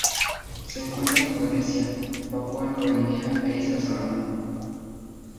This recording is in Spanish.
Se encuentra en Indonesia, Papúa Nueva Guinea e Islas Salomón.